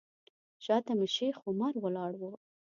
شاته مې شیخ عمر ولاړ و.